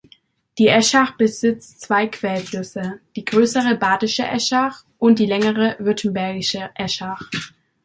Die Eschach besitzt zwei Quellflüsse: die größere "Badische Eschach" und die längere "Württembergische Eschach".